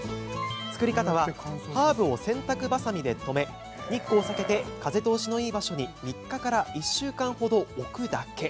作り方はハーブを洗濯ばさみで留め日光を避けて風通しのいい場所に３日から１週間ほど置くだけ。